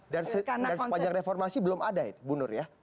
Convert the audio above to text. dan sepanjang reformasi belum ada ya bu nur ya